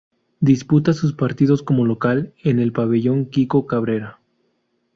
Disputa sus partidos como local en el Pabellón Quico Cabrera.